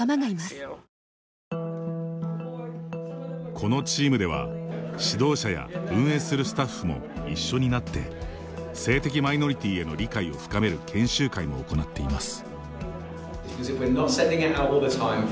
このチームでは、指導者や運営するスタッフも一緒になって性的マイノリティーへの理解を深める研修会も行っています。